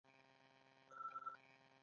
راځه چي ولاړ سو .